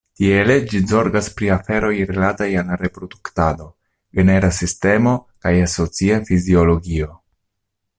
Tiele ĝi zorgas pri aferoj rilataj al reproduktado, genera sistemo kaj asocia fiziologio.